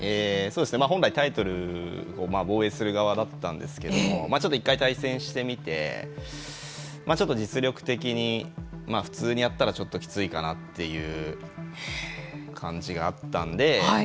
本来、タイトルを防衛する側だったんですけどもちょっと１回対戦してみてちょっと実力的に普通にやったらちょっときついかなっていう感じがあったんで。